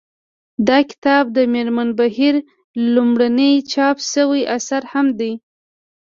دا کتاب د مېرمن بهیر لومړنی چاپ شوی اثر هم دی